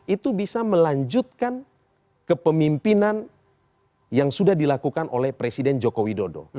itu bisa melanjutkan kepemimpinan yang sudah dilakukan oleh presiden joko widodo